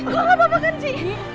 kau gak apa apa kan ji